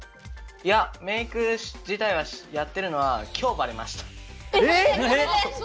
いや、メーク自体はやってるのおはきょう、ばれました。